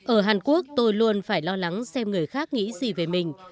ở hàn quốc tôi luôn phải lo lắng xem người khác nghĩ gì về mình